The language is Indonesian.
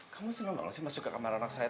kamu senang banget sih masuk ke kamar anak saya